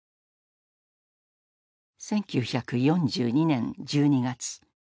１９４２年１２月。